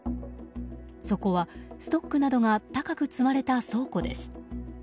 そこはストックなどが高く積まれた倉庫です。